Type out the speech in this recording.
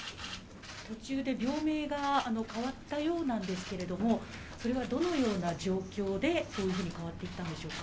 途中で病名が変わったようなんですけれど、それはどのような状況で変わっていったんでしょうか。